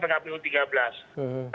karena sekali lagi komitmen terhadap apa